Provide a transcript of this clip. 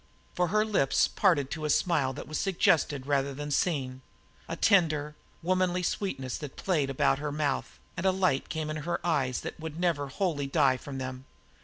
For her lips parted to a smile that was suggested rather than seen, a tender, womanly sweetness that played about her mouth; and a light came in her eyes that would never wholly die from them.